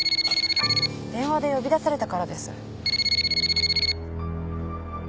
電話で呼び出されたからです。